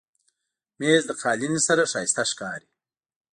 مېز له قالینې سره ښایسته ښکاري.